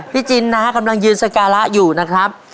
จินนะฮะกำลังยืนสการะอยู่นะครับ